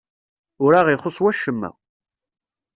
Ur aɣ-ixuṣṣ wacemma.